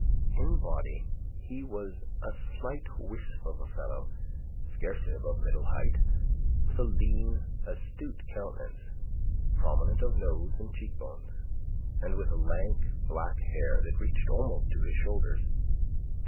In body he was a slight wisp of a fellow, scarcely above middle height, with a lean, astute countenance, prominent of nose and cheek bones, and with lank, black hair that reached almost to his shoulders.